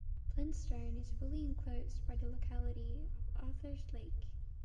Flintstone is fully enclosed by the locality of Arthurs Lake.